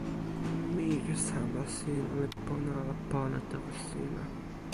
mije sama sina li pona ala pona tawa sina?